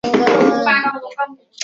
昙摩难提人。